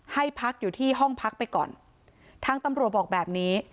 ให้พักอยู่ที่ห้องพักไปก่อนทางตำรวจบอกแบบนี้